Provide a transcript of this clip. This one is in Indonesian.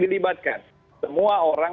dilibatkan semua orang